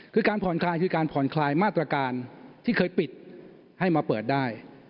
คือการผ่อนคลายคือการผ่อนคลายมาตรการที่เคยปิดให้มาเปิดได้